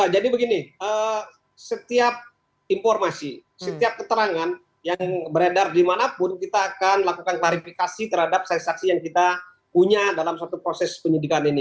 jadi begini setiap informasi setiap keterangan yang beredar dimanapun kita akan lakukan klarifikasi terhadap saksi saksi yang kita punya dalam satu proses penyidikan ini